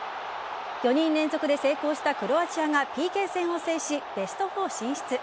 ４人連続で成功したクロアチアがＰＫ戦を制しベスト４進出。